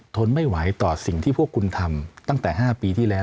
ทนไม่ไหวต่อสิ่งที่พวกคุณทำตั้งแต่๕ปีที่แล้ว